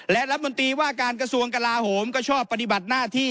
และรัฐมนตรีว่าการกระทรวงกลาโหมก็ชอบปฏิบัติหน้าที่